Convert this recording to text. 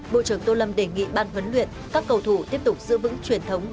bộ trưởng tô lâm đề nghị ban huấn luyện các cầu thủ tiếp tục giữ vững truyền thống